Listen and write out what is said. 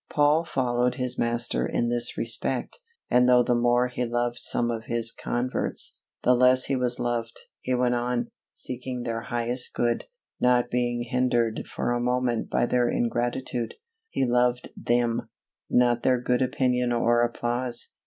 Paul followed his Master in this respect; and though the more he loved some of his converts, the less he was loved, he went on, seeking their highest good, not being hindered for a moment by their ingratitude. He loved them not their good opinion or applause!